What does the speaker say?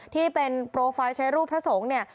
ที่เป็นโปรไฟล์ใช้รูปพระสงฆ์เนี่ย